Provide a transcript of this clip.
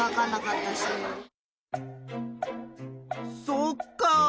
そっか。